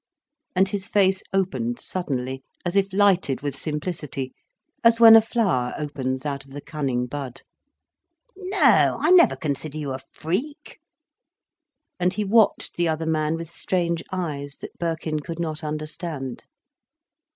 And his face opened suddenly, as if lighted with simplicity, as when a flower opens out of the cunning bud. "No—I never consider you a freak." And he watched the other man with strange eyes, that Birkin could not understand.